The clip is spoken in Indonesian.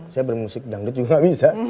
saya bermusik dangdut juga nggak bisa